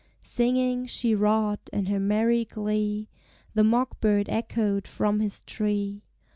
Singing, she wrought, and her merry glee The mock bird echoed from his tree.